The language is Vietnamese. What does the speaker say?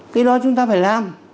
cái đó chúng ta phải làm